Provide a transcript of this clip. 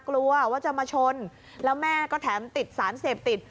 กลัวว่าจะมาชนแล้วแม่ก็แถมติดสารเสพติด